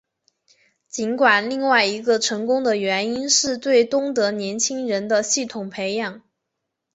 尽管另外一个成功的原因是对东德年轻人的系统培养。